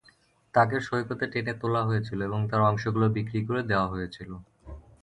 তাকে সৈকতে টেনে তোলা হয়েছিল এবং তার অংশগুলো বিক্রি করে দেওয়া হয়েছিল।